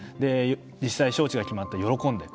実際、招致が決まって喜んで。